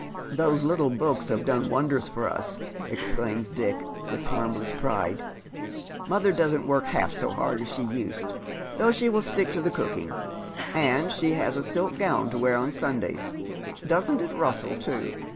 _'' Those little books have done wonders for us," exclaims Dick, with harmless pride. " Mother doesn't work half so hard as sho used, though she will stick to the cooking ; and she has a silk gown to wear on Sundays, — doesn't it rustle too